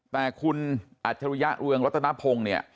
แต่คุณอัจฉริยะเรืองรัตนพงศ์เนี่ย